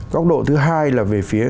góc độ thứ hai là về phía